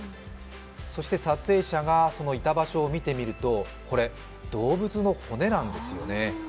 そして撮影者が、そのいた場所を見てみると、これ、動物の骨なんですよね。